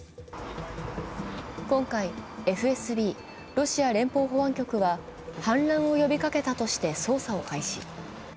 今回、ＦＳＢ＝ロシア連邦保安局は氾濫を呼びかけたとして捜査を開始。